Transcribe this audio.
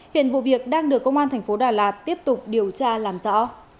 hiện vụ việc đang được công an tp đà lạt tiếp tục điều tra làm rõ